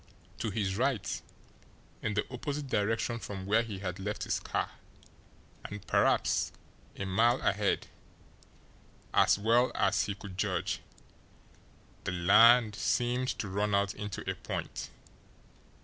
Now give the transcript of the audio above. To his right, in the opposite direction from where he had left his car, and perhaps a mile ahead, as well as he could judge, the land seemed to run out into a point.